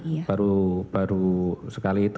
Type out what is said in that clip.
belum pernah baru sekali itu